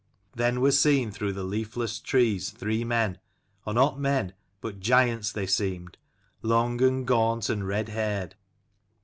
Then were seen through the leafless trees three men, or not men but giants they seemed, long and gaunt and red haired.